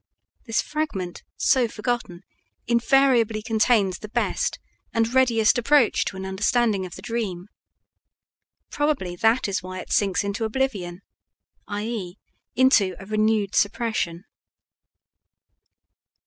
This fragment so forgotten invariably contains the best and readiest approach to an understanding of the dream. Probably that is why it sinks into oblivion i.e., into a renewed suppression.